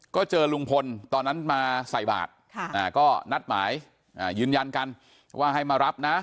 ก็เจอลุงพลตอนนั้นมาใส่บาทก็นัดหมายยืนยันกันว่าให้มารับนะ